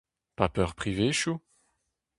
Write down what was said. Paper privezioù.